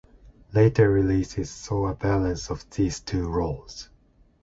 Later releases saw a balance of these two roles.